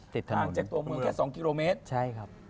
ติดถนนทางจากตัวเมืองแค่๒กิโลเมตรใช่ครับ